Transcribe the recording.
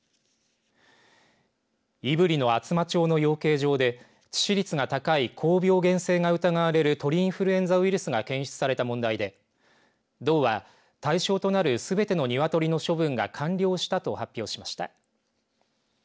胆振の厚真町の養鶏場で致死率が高い高病原性が疑われる鳥インフルエンザウイルスが検出された問題で道は対象となるすべての鶏の処分が完了したと発表しました。